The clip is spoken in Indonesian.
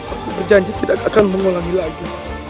aku berjanji tidak akan mengulangi lagi